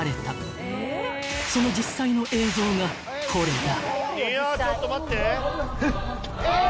［その実際の映像がこれだ］